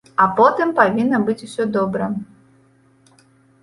А потым павінна быць усё добра.